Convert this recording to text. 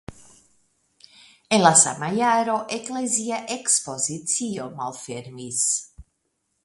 En la sama jaro eklezia ekspozicio malfermis.